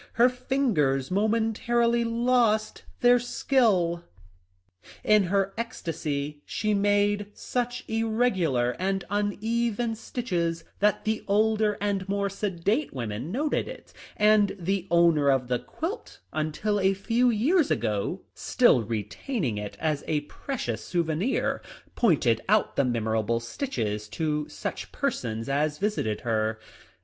Her fingers momentarily lost their skill. In her ecstasy she made such irregular and uneven stitches that the older and more sedate women noted it, and the owner of the quilt, until a few years ago still re taining it as a precious souvenir, pointed out the memorable stitches to such persons as visited her.